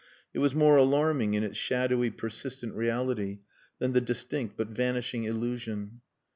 It was more alarming in its shadowy, persistent reality than the distinct but vanishing illusion.